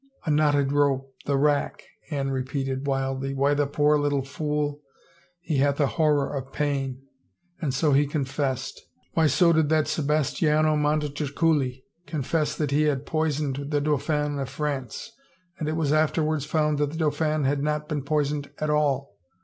A knotted rope, the rackl" Anne repeated, wildly. Why the poor little fool — he hath a horror of pain. And so he confessed — why so did that Sebastiano Montecuculi confess that he had Jxjisoned the Dauphin of France and it was afterwards found that the dauphin had not been poisoned at all